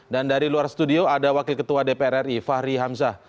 dan dari luar studio ada wakil ketua dpr ri fahri hamzah